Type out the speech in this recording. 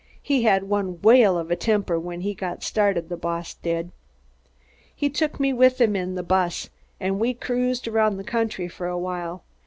He had one whale of a temper when he got started, the boss did. He took me with him in the buss and we cruised around the country for a while.